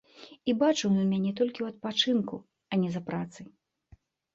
І бачыў ён мяне толькі ў адпачынку, а не за працай.